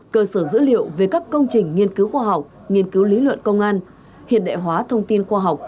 cơ sở dữ liệu về các công trình nghiên cứu khoa học nghiên cứu lý luận công an hiện đại hóa thông tin khoa học